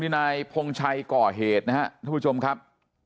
นายพงชัยก่อเหตุนะครับท่านผู้ชมครับ